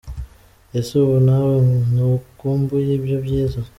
Ese ubu nawe ntukumbuye ibyo byiza? .